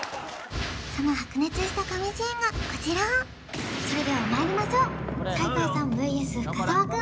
その白熱した神シーンがこちらそれではまいりましょう斎藤さんＶＳ深澤くん